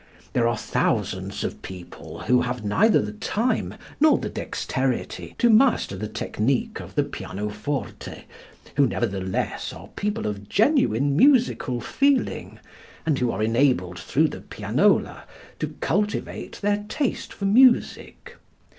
There are thousands of people who have neither the time nor the dexterity to master the technique of the pianoforte, who nevertheless are people of genuine musical feeling, and who are enabled through the pianola to cultivate their taste for music.